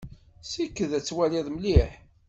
Sekked ad twaliḍ mliḥ!